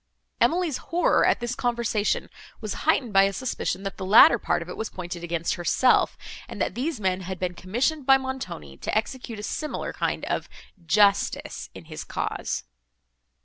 Emily's horror at this conversation was heightened by a suspicion, that the latter part of it was pointed against herself, and that these men had been commissioned by Montoni to execute a similar kind of justice, in his cause.